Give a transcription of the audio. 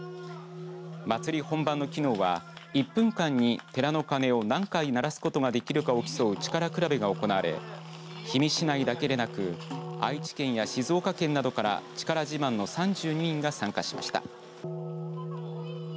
祭り本番のきのうは１分間に寺の鐘を何回鳴らすことができるかを競う力比べが行われ氷見市内だけでなく愛知県や静岡県などから力自慢の３２人が参加しました。